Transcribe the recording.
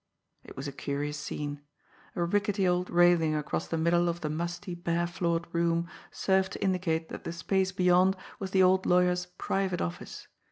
It was a curious scene! A rickety old railing across the middle of the musty, bare floored room served to indicate that the space beyond was the old lawyer's "private" office.